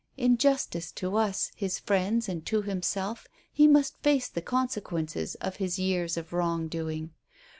In justice to us, his friends, and to himself, he must face the consequences of his years of wrongdoing.